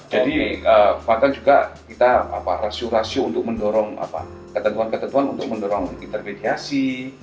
jadi bahkan juga kita apa rasio rasio untuk mendorong ketentuan ketentuan untuk mendorong intermediasi